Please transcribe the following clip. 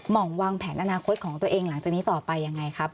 หมองวางแผนอนาคตของตัวเองหลังจากนี้ต่อไปยังไงครับ